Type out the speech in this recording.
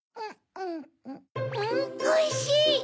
おいしい！